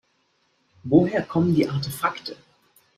Woher kommen die Artefakte?